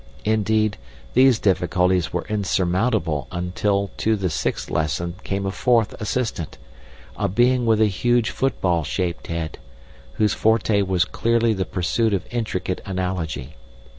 Indeed, these difficulties were insurmountable until to the sixth lesson came a fourth assistant, a being with a huge football shaped head, whose forte was clearly the pursuit of intricate analogy.